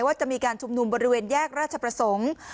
ว่าจะมีการชุมนุมบริเวณแยกราชประสงค์